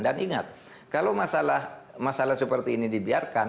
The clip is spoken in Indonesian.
dan ingat kalau masalah seperti ini dibiarkan